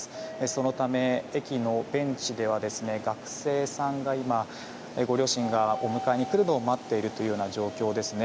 そのため駅のベンチでは学生さんが今、ご両親がお迎えに来るのを待っているような状況ですね。